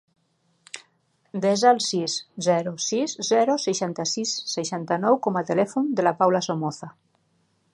Desa el sis, zero, sis, zero, seixanta-sis, seixanta-nou com a telèfon de la Paula Somoza.